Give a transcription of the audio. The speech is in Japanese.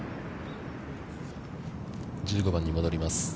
１５番に戻ります。